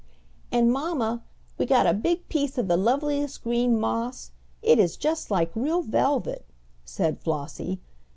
"And, mamma, we got a big piece of the loveliest green moss! It is just like real velvet," said Flossie.